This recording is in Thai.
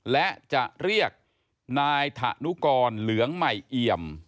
และจะเรียกนายถะนุกรเหลืองใหม่เอี่ยม